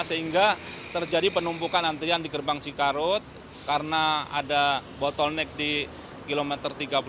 sehingga terjadi penumpukan antrian di gerbang cikarut karena ada botol naik di kilometer tiga puluh